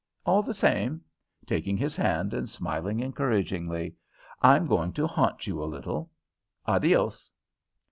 All the same" taking his hand and smiling encouragingly "I'm going to haunt you a little. _Adios!